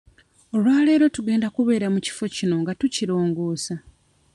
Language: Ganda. Olwaleero tugenda kubeera mu kifo kino nga tukirongoosa.